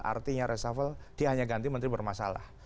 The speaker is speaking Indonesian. artinya reshuffle dia hanya ganti menteri bermasalah